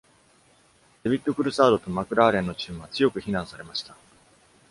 デビッドクルサードとマクラーレンのチームは、強く非難されました。